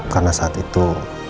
karena saat itu